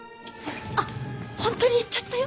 あっほんとに行っちゃったよ！